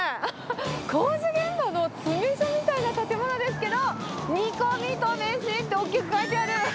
工事現場の詰め所みたいな建物ですけど、煮こみとめしって大きく書いてある。